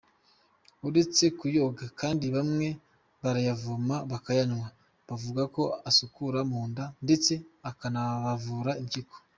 Uretse kuyoga kandi bamwe barayavoma bakayanywa, bavuga ko asukura mu nda ndetse akanabavura impyiko .